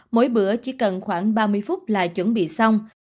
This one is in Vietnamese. mỗi bữa chỉ cần khoảng ba mươi phút là chuẩn bị xong